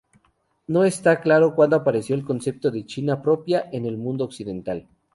No está claro cuándo apareció el concepto de "China propia" en el mundo occidental.